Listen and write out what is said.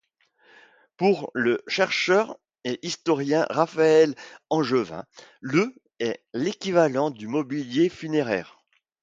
Pour le chercheur et historien Raphaël Angevin, le est l'équivalent du mobilier funéraire.